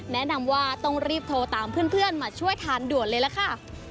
แนะนำว่าต้องรีบโทรตามเพื่อนมาช่วยทานด่วนเลยล่ะค่ะ